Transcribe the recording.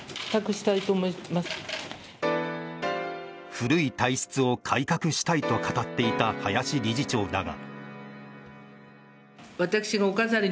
古い体質を改革したいと語っていた林理事長だが。